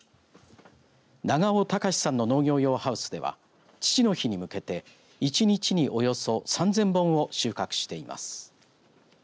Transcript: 長尾高志さんの農業用ハウスでは父の日にむけて１日におよそ３０００本を収穫しています。